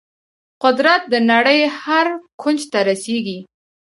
قدرت د نړۍ هر کونج ته رسیږي.